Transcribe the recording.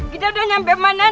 kita udah nyampe mana